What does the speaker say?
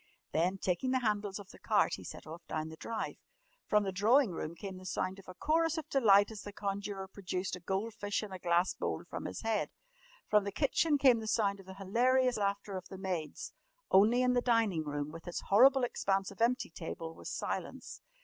Then, taking the handles of the cart, he set off down the drive. From the drawing room came the sound of a chorus of delight as the conjurer produced a goldfish in a glass bowl from his head. From the kitchen came the sound of the hilarious laughter of the maids. Only in the dining room, with its horrible expanse of empty table, was silence.